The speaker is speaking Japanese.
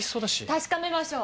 確かめましょう。